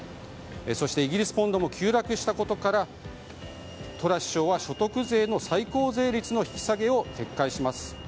そして、イギリスポンドも急落したことからトラス首相は所得税の最高税率の引き下げを撤回します。